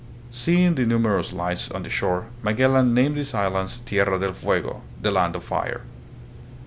Seeing the numerous lights on the shore, Magellan named these islands Tierra del Fuego (the Land of Fire).